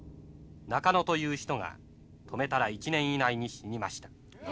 中野という人が止めたら一年以内に死にました。